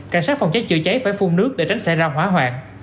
cảnh sát phòng cháy chữa cháy phải phun nước để tránh xảy ra hỏa hoạn